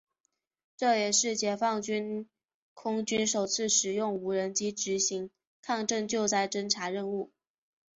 这也是解放军空军首次使用无人机执行抗震救灾侦察任务。